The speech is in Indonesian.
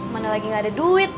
mana lagi gak ada duit